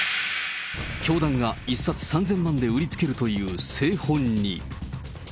教団が１冊３０００万円で売りつけるという聖本に。